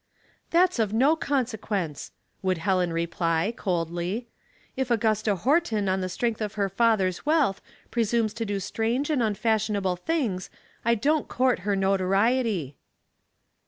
" That's of no consequence," would Helen reply, coldly. *' If Augusta Horton, on the strength of her father's wealth, presumes to do strange and unfashionable things, I don't court her notoriety."